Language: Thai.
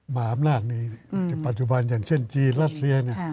มหาอำนาจนี้ปัจจุบันอย่างเช่นจีนรัสเซีย